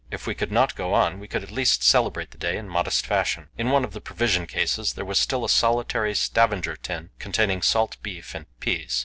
If we could not go on, we could at least celebrate the day in a modest fashion. In one of the provision cases there was still a solitary Stavanger tin, containing salt beef and peas.